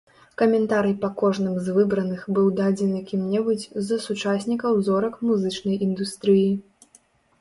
Каментарый па кожным з выбраных быў дадзены кім-небудзь з сучаснікаў зорак музычнай індустрыі.